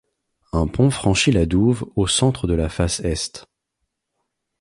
Un pont franchit la douve au centre de la face est.